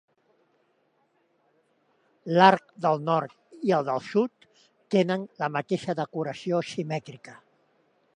L'arc del nord i el del sud tenen la mateixa decoració simètrica.